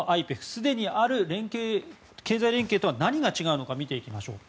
すでにある経済連携とは何が違うのか見ていきましょう。